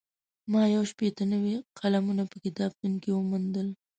ما یو شپېته نوي قلمونه په کتابتون کې وموندل.